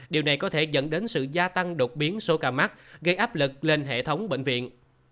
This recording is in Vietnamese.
điều này có thể dẫn đến sự gia tăng đột biến số ca mắc gây áp lực lên hệ thống bệnh viện